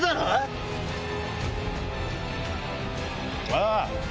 ああ。